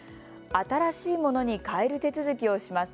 新しいものに替える手続きをします。